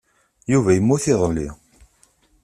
Yuba yemmut iḍelli.